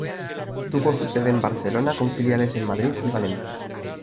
Tuvo su sede en Barcelona, con filiales en Madrid y Valencia.